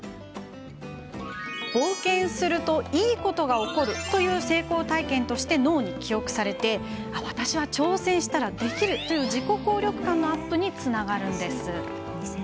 冒険するといいことが起こるという成功体験として脳に記憶されて私は挑戦したらできるという自己効力感のアップにつながるんです。